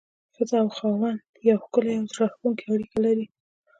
ښځه او خاوند يوه ښکلي او زړه راښکونکي اړيکه لري.